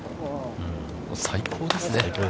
最高ですね。